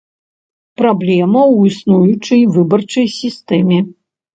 Праблема ў існуючай выбарчай сістэме.